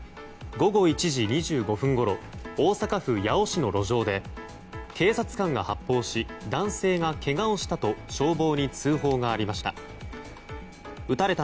午後１時２５分ごろ大阪府八尾市の路上で警察官が発砲し男性がけがをしたと消防に通報がありました。